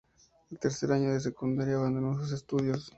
En tercer año de la secundaria, abandonó sus estudios.